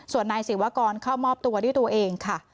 ส่วนนายศิวากรเข้ามอบตัวด้วยตัวเองค่ะ